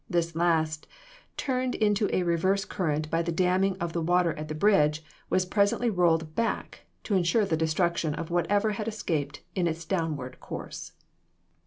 This last, turned into a reverse current by the damming of the water at the bridge, was presently rolled back, to ensure the destruction of whatever had escaped in its downward course.